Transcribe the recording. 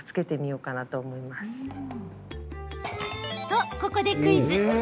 と、ここでクイズ！